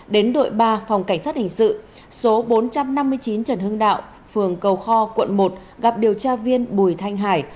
đến đội ba phòng cảnh sát hình sự số bốn trăm năm mươi chín trần hưng đạo phường cầu kho quận một gặp điều tra viên bùi thanh hải